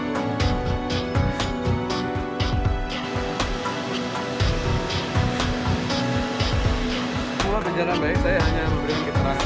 hai semua bencana baik saya hanya memberikan keterangan